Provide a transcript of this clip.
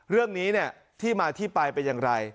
เรื่องนี้ที่มาที่ไปเป็นอย่างไร